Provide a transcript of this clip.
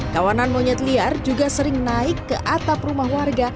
kawanan monyet liar juga sering naik ke atap rumah warga